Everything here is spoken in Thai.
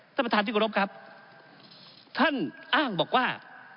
ท่านประธานที่กรบครับท่านอ้างบอกว่า